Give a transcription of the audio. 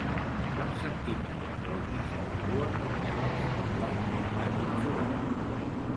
Quants cm del nas a la cua tenia l'exemplar més gran mesurat?